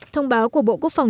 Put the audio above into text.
thông báo của bộ quốc phòng